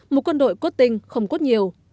một quân đội cốt tinh không cốt nhiều